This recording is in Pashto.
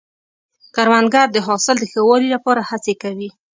کروندګر د حاصل د ښه والي لپاره هڅې کوي